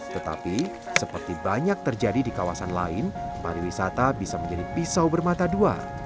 tetapi seperti banyak terjadi di kawasan lain pariwisata bisa menjadi pisau bermata dua